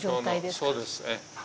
そうです。